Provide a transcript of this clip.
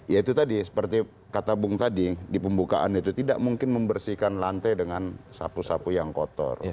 ya itu tadi seperti kata bung tadi di pembukaan itu tidak mungkin membersihkan lantai dengan sapu sapu yang kotor